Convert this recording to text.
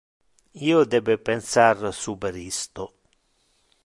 Io debe pensar super isto.